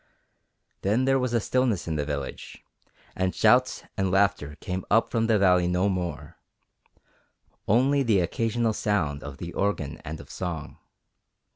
Then there was a stillness in the village, and shouts and laughter came up from the valley no more, only the occasional sound of the organ and of song.